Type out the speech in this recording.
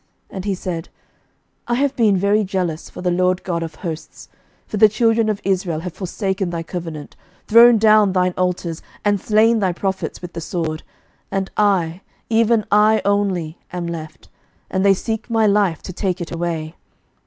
11:019:010 And he said, I have been very jealous for the LORD God of hosts: for the children of Israel have forsaken thy covenant, thrown down thine altars, and slain thy prophets with the sword; and I, even I only, am left; and they seek my life, to take it away.